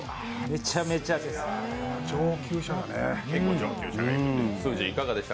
めちゃめちゃ熱いです。